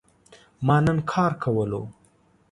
ما نن کار کولو